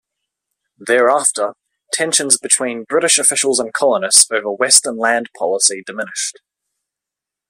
Thereafter, tensions between British officials and colonists over western land policy diminished.